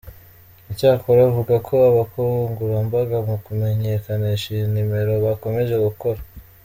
Icyakora avuga ko ubukangurambaga mu kumenyekanisha iyi numero bukomeje gukorwa.